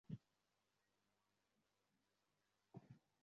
উদয়াদিত্য স্নেহ করিয়া, আদর করিয়া কোন কথা কহিলে চোখ নীচু করিয়া একটুখানি হাসে।